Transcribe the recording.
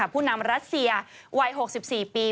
ผู้นำรัสเซียวัย๖๔ปี